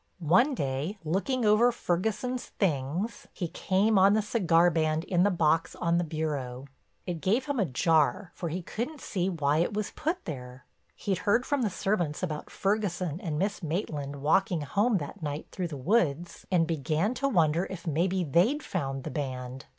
One day, looking over Ferguson's things, he came on the cigar band in the box on the bureau. It gave him a jar, for he couldn't see why it was put there. He'd heard from the servants about Ferguson and Miss Maitland walking home that night through the woods and began to wonder if maybe they'd found the band.